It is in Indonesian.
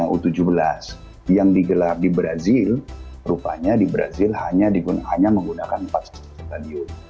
u tujuh belas yang digelar di brazil rupanya di brazil hanya menggunakan empat stadion